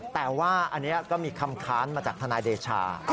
แต่ว่าอันนี้ก็มีคำค้านมาจากทนายเดชา